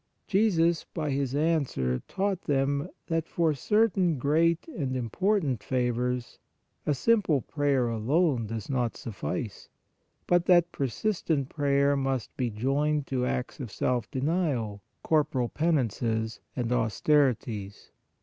Jesus by His answer taught them that for certain great and important favors a simple prayer alone does not suffice, but that persistent prayer must be joined to acts of self denial, corporal penances and austerities.